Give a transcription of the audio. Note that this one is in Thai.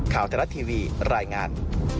ข่าวแต่ละทีวีรายงาน